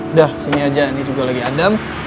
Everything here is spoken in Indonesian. udah sini aja ini juga lagi adam